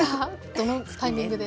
どのタイミングで？